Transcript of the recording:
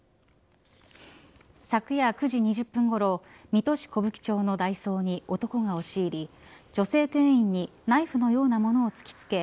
昨夜９時２０分ごろ水戸市小吹町のダイソーに男が押し入り女性店員にナイフのようなものを突き付け